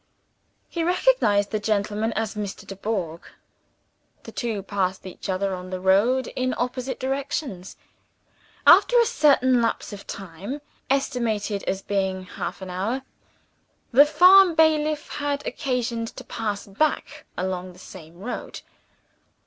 He recognized the gentleman as Mr. Dubourg. The two passed each other on the road in opposite directions. After a certain lapse of time estimated as being half an hour the farm bailiff had occasion to pass back along the same road.